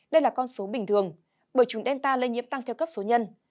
đây là con số bình thường bởi chúng delta lây nhiễm tăng theo cấp số nhân